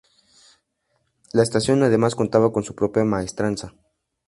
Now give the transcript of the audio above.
La estación además contaba con su propia maestranza.